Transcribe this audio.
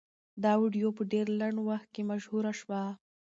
دا ویډیو په ډېر لنډ وخت کې مشهوره شوه.